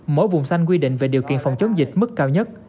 mỗi vùng xanh quy định về điều kiện phòng chống dịch mức cao nhất